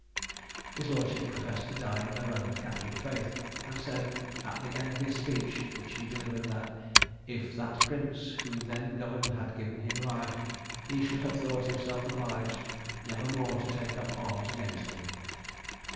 His lordship professed to die in the Roman Catholic faith, and said at the end of the speech which he delivered, that "if that Prince who then governed had given him life, he should have thought himself obliged never more to take up arms against him."